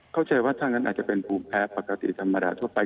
เข้าใจว่าถ้างั้นอาจจะเป็นภูมิแพ้ปกติธรรมดาทั่วไป